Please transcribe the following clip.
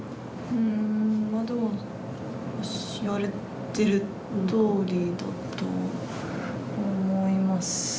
うんまあどう言われてるとおりだと思います。